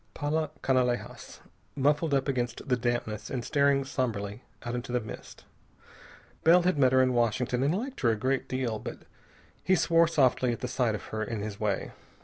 Paula Canalejas, muffled up against the dampness and staring somberly out into the mist. Bell had met her in Washington and liked her a great deal, but he swore softly at sight of her in his way.